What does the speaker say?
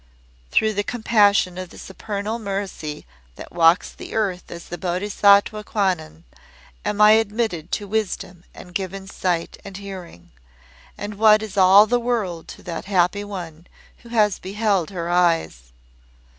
Through the compassion of the Supernal Mercy that walks the earth as the Bodhisattwa Kwannon, am I admitted to wisdom and given sight and hearing. And what is all the world to that happy one who has beheld Her eyes!"